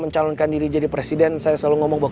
mencalonkan diri jadi presiden saya selalu ngomong bahwa